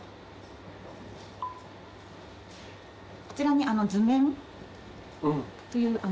こちらに図面という